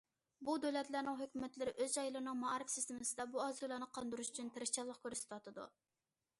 بۇ دۆلەتلەرنىڭ ھۆكۈمەتلىرى ئۆز جايلىرىنىڭ مائارىپ سىستېمىسىدا بۇ ئارزۇلارنى قاندۇرۇش ئۈچۈن تىرىشچانلىق كۆرسىتىۋاتىدۇ.